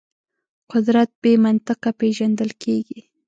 قدرت بې منطقه پېژندل کېږي.